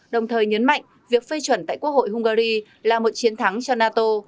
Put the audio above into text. đồng thời nhấn mạnh việc phê chuẩn tại quốc hội hungary là một chiến thắng cho nato